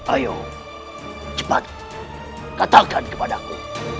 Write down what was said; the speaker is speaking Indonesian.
ayo cepat katakan kepadaku